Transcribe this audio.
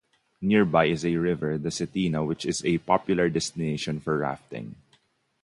Nearby is a river, the Cetina, which is a popular destination for rafting.